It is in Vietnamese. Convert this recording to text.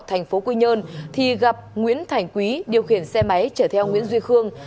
thành phố quy nhơn thì gặp nguyễn thành quý điều khiển xe máy chở theo nguyễn duy khương